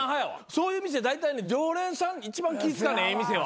そういう店だいたい常連さん一番気使うねんええ店は。